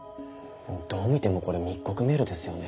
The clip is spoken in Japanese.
どう見てもこれ密告メールですよね。